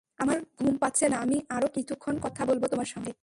আমার ঘুম পাচ্ছে না, আমি আরো কিছুক্ষণ কথা বলব তোমার সঙ্গে।